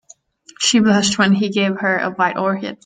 She blushed when he gave her a white orchid.